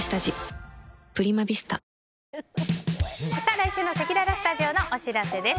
来週のせきららスタジオのお知らせです。